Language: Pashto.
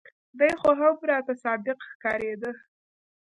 دى خو هم راته صادق ښکارېده.